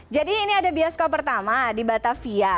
jadi ini ada bioskop pertama di batavia